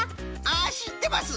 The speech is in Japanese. あっしってます！